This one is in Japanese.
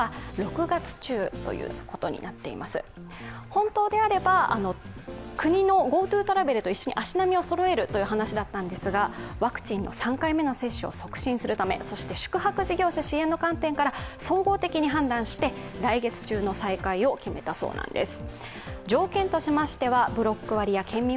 本当であれば、国のＧｏＴｏトラベルと一緒に足並みをそろえるという話だったんですが、ワクチンの３回目の接種を促進するため、そして宿泊事業者支援の観点から総合的に判断して、来月中の再開を決めたそうなんです。